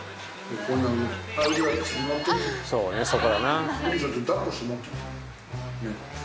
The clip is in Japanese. そうね、そこだな。